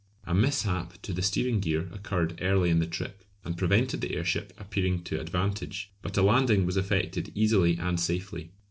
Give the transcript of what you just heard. A mishap to the steering gear occurred early in the trip, and prevented the airship appearing to advantage, but a landing was effected easily and safely.